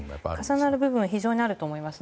重なる部分が非常にあると思います。